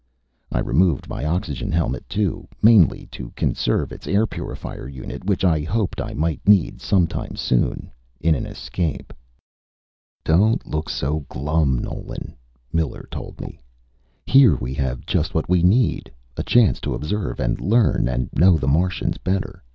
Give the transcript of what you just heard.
I removed my oxygen helmet, too, mainly to conserve its air purifier unit, which I hoped I might need sometime soon in an escape. "Don't look so glum, Nolan," Miller told me. "Here we have just what we need, a chance to observe and learn and know the Martians better.